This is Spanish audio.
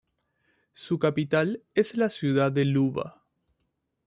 Su capital es la ciudad de Luba.